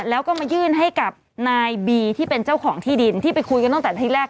แล้วก็มายื่นให้กับนายบีที่เป็นเจ้าของที่ดินที่ไปคุยกันตั้งแต่ที่แรก